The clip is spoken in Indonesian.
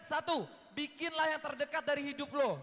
satu bikinlah yang terdekat dari hidup lo